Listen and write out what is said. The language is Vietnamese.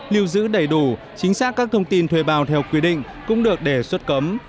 lưu giữ đầy đủ chính xác các thông tin thuê bao theo quy định cũng được đề xuất cấm